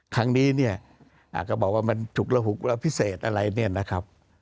ครั้งนี้เนี่ยก็บอกว่ามันฉุกระหุกระพิเศษอะไรเนี่ยนะครับ